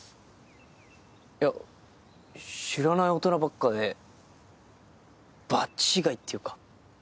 いや知らない大人ばっかで場違いっていうか。